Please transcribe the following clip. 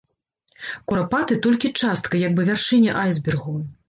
Курапаты толькі частка, як бы вяршыня айсбергу.